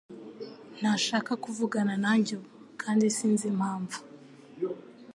Ntashaka kuvugana nanjye ubu, kandi sinzi impamvu.